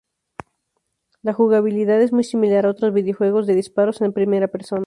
La jugabilidad es muy similar a otros videojuegos de disparos en primera persona.